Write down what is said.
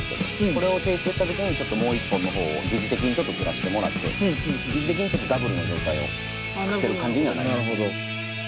これを提出した時にもう一本の方を擬似的にちょっとずらしてもらって擬似的にちょっとダブルの状態を作ってる感じにはなりますね。